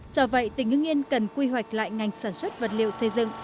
do vậy tỉnh hưng yên cần quy hoạch lại ngành sản xuất vật liệu xây dựng